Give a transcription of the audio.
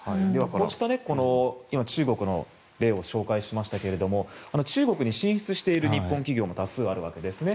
こうした今、中国の例を紹介しましたが中国に進出している日本企業も多数あるわけですね。